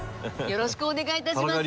よろしくお願いします。